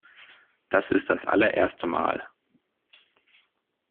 Das ist das allererste Mal.